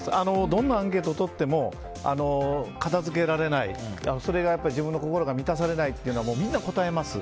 どんなアンケートを取っても片付けられない自分の心が満たされないってみんな答えます。